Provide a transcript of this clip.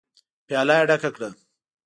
پياله يې ډکه کړه.